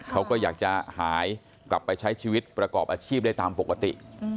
เขาก็อยากจะหายกลับไปใช้ชีวิตประกอบอาชีพได้ตามปกติ